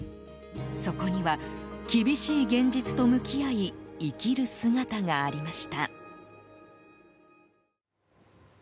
そこには、厳しい現実と向き合い生きる姿がありました。